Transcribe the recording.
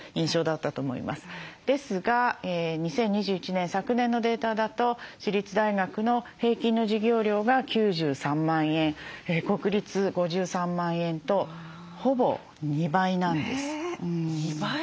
ですが２０２１年昨年のデータだと私立大学の平均の授業料が９３万円国立５３万円とほぼ２倍なんです。